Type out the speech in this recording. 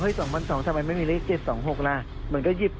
เฮ้ยสองพันสองทำไมไม่มีเลขเจ็ดสองหกล่ะมันก็ยิบ